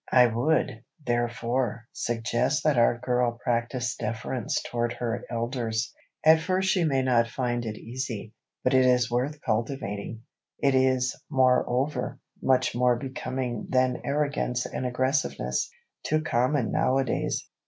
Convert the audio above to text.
I would, therefore, suggest that Our Girl practise deference toward her elders. At first she may not find it easy, but it is worth cultivating. It is, moreover, much more becoming than arrogance and aggressiveness, too common nowadays.